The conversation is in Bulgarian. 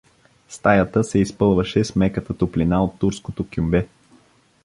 Стаята се изпълваше с меката топлина от турското кюмбе.